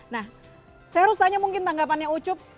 nah saya harus tanya mungkin tanggapannya ucup